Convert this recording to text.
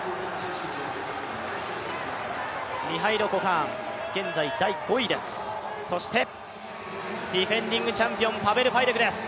ミハイロ・コカーン、現在第５位ですそしてディフェンディングチャンピオン、パベル・ファイデクです。